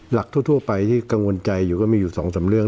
หลักทั่วไปที่กังวลใจอยู่ก็มีอยู่๒๓เรื่อง